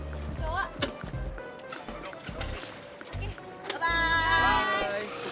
eh mau siang ya